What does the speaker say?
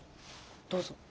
どうぞ。